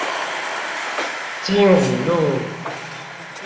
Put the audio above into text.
精武路